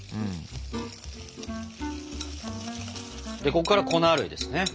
こっから粉類ですね。